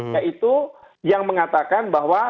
yaitu yang mengatakan bahwa